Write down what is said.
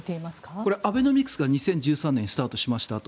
これ、アベノミクスが２０１３年にスタートしましたと。